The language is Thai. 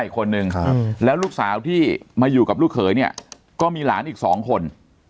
อีกคนนึงแล้วลูกสาวที่มาอยู่กับลูกเขยเนี่ยก็มีหลานอีก๒คน